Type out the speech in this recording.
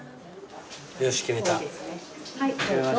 よし決めた。